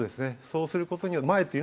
そうすることによって。